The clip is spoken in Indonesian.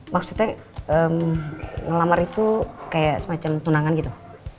maksudnya ngelamar itu kayak semacam tunangan gitu